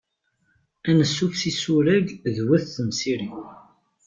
Ansuf s yimsurag d wat temsirin.